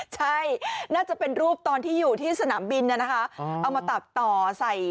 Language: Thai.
ใช่น่าจะเป็นรูปตอนที่อยู่ที่สนามบินนะคะเอามาตัดต่อใส่